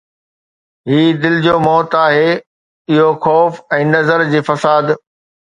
هي دل جو موت آهي، اهو خوف ۽ نظر جي فساد